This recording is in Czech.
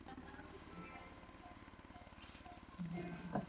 Výbor pro právní záležitosti si tyto návrhy prostudoval.